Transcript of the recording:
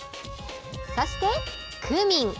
そして、クミン。